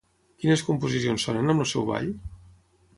Quines composicions sonen amb el seu ball?